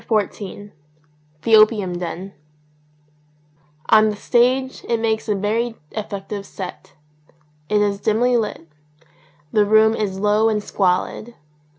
59 XIV THE OPIUM DEN ON the stage it makes a very effective set. It is dimly lit. The room is low and squalid.